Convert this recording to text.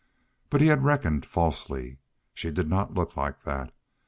But he had reckoned falsely. She did not look like that.